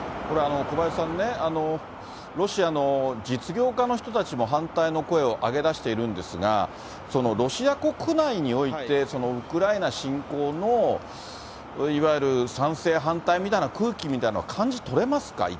これ、小林さんね、ロシアの実業家の人たちも反対の声を上げ出しているんですが、そのロシア国内において、ウクライナ侵攻のいわゆる賛成、反対みたいな空気みたいなのは感じ取れますか？